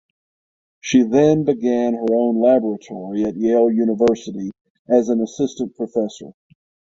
She then began her own laboratory at Yale University as an assistant professor.